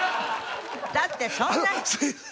だってそんな。